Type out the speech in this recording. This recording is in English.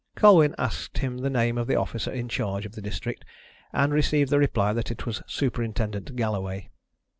Colwyn asked him the name of the officer in charge of the district, and received the reply that it was Superintendent Galloway.